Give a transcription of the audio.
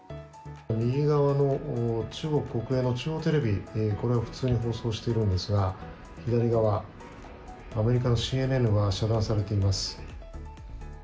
右側の中国国営の中央テレビは普通に放送しているんですが左側、アメリカのＣＮＮは遮断されています。